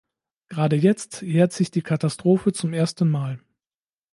Gerade jetzt jährt sich die Katastrophe zum ersten Mal.